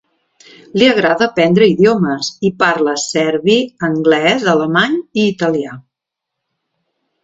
Li agrada aprendre idiomes i parla serbi, anglès, alemany i italià.